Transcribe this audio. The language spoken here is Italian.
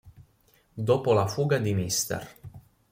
Dopo la fuga di Mr.